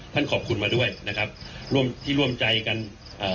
ขอบคุณมาด้วยนะครับร่วมที่ร่วมใจกันเอ่อ